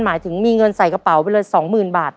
หมายถึงมีเงินใส่กระเป๋าไปเลย๒๐๐๐บาท